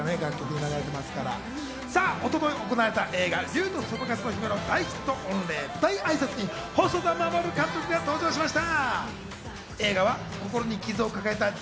一昨日行われた映画『竜とそばかすの姫』の大ヒット御礼舞台挨拶に細田守監督が登場しました。